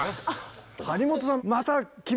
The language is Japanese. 張本さんまた。